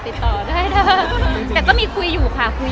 แต่ก็มีคุยอยู่ค่ะ